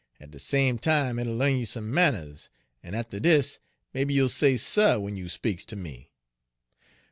At de same time, it'll l'arn you some manners, en atter dis mebbe you'll say "suh" w'en you speaks ter me.'